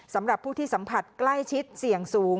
สำหรับผู้ที่สัมผัสใกล้ชิดเสี่ยงสูง